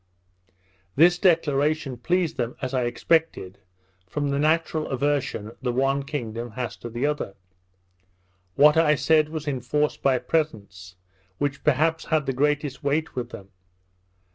This declaration pleased them, as I expected, from the natural aversion the one kingdom has to the other. What I said was enforced by presents, which perhaps had the greatest weight with them.